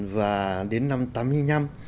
và đến năm một nghìn chín trăm tám mươi năm